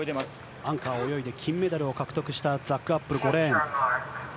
アンカーを泳いで、金メダルを獲得したザック・アップル、５レーン。